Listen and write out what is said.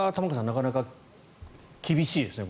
なかなか厳しいですね。